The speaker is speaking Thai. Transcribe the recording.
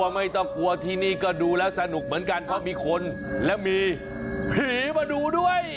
ไม่ต้องกลัวที่นี่ก็ดูแล้วสนุกเหมือนกันเพราะมีคนและมีผีมาดูด้วย